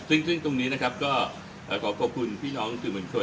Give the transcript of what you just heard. ซึ่งตรงนี้นะครับก็ขอขอบคุณพี่น้องสื่อมวลชน